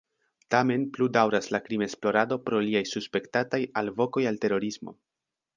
Tamen plu daŭras la krimesplorado pro liaj suspektataj “alvokoj al terorismo”.